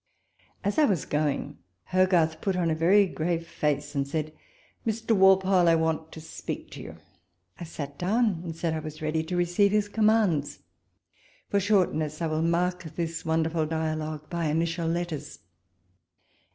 As I was going, Hogarth put on a very grave face, and said, "Mr. Walpole, I want to speak to you." I sat down, and said, I was ready to receive his commands. For shortness, I will mark this wonderful dialogue by initial letters.